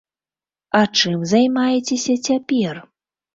А чым займаецеся цяпер?